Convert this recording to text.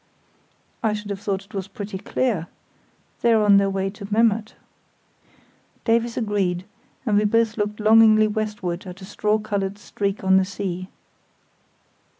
"I should have thought it was pretty clear. They're on their way to Memmert." Davies agreed, and we both looked longingly westward at a straw coloured streak on the sea.